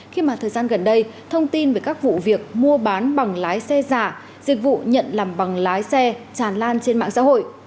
khi mà thời gian gần đây thông tin về các vụ việc mua bán bằng lái xe giả dịch vụ nhận làm bằng lái xe tràn lan trên mạng xã hội